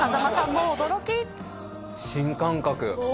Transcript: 新感覚。